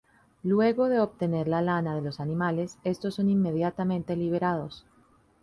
Luego de obtener la lana de los animales, estos son inmediatamente liberados.